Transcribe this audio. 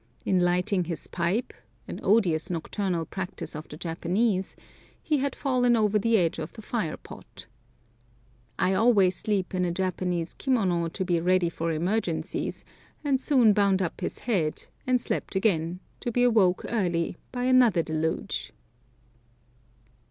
In lighting his pipe—an odious nocturnal practice of the Japanese—he had fallen over the edge of the fire pot. I always sleep in a Japanese kimona to be ready for emergencies, and soon bound up his head, and slept again, to be awoke early by another deluge.